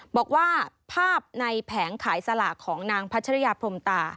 บอกว่าภาพในแผงขายสลากของนางพัชริยาพรมตา